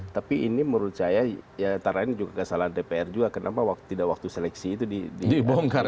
tapi ini menurut saya ya tara ini juga kesalahan dpr juga kenapa waktu seleksi itu dibongkar